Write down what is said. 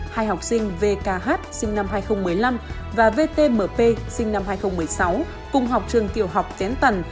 hai học sinh vkh sinh năm hai nghìn một mươi năm và vtmp sinh năm hai nghìn một mươi sáu cùng học trường tiểu học tiến tần